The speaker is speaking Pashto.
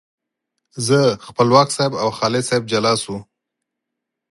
زه، خپلواک صاحب او خالد صاحب جلا شوو.